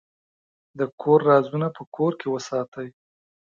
د کور رازونه په کور کې وساتئ.